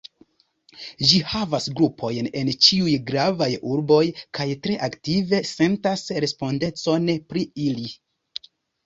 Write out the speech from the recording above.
Ĝi havas grupojn en ĉiuj gravaj urboj, kaj tre aktive sentas respondecon pri ili.